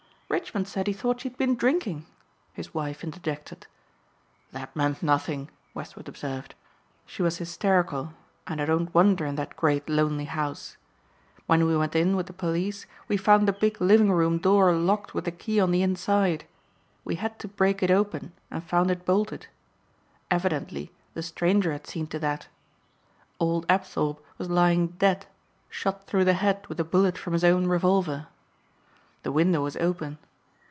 "Richmond said he thought she had been drinking," his wife interjected. "That meant nothing," Westward observed, "she was hysterical and I don't wonder in that great lonely house. When we went in with the police we found the big living room door locked with the key on the inside. We had to break it open and found it bolted. Evidently the stranger had seen to that. Old Apthorpe was lying dead shot through the head with a bullet from his own revolver. The window was open.